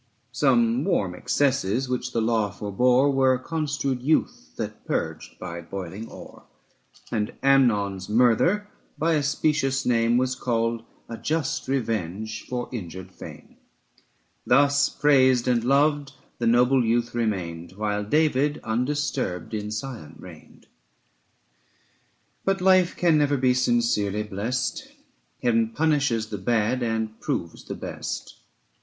Some warm excesses, which the law forbore, Were construed youth that purged by boiling o'er; And Amnon's murder by a specious name Was called a just revenge for injured fame. 40 Thus praised and loved, the noble youth remained, While David undisturbed in Sion reigned. But life can never be sincerely blest ; Heaven punishes the bad, and proves the best.